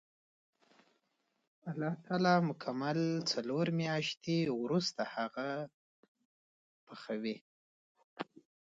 الله تعالی مکمل څلور میاشتې وروسته هغه پخوي.